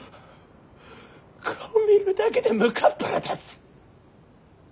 顔見るだけでむかっぱら立つ！